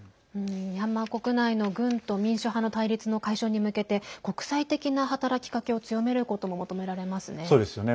ミャンマー国内の軍と民主派の対立の解消に向けて国際的な働きかけを強めることも求められますね。